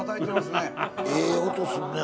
ええ音するね